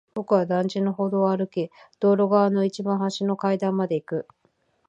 僕は団地の歩道を歩き、道路側の一番端の階段まで行く。